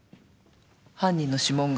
犯人の指紋が？